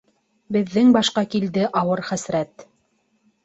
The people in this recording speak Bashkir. Беҙҙең башҡа килде ауыр хәсрәт